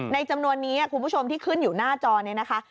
จำนวนนี้คุณผู้ชมที่ขึ้นอยู่หน้าจอนี้นะคะ